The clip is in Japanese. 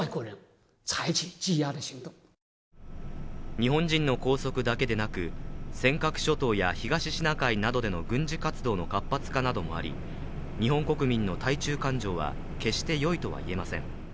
日本人の拘束だけでなく、尖閣諸島や東シナ海などでの軍事活動の活発化などもあり、日本国民の対中感情は決して良いとは言えません。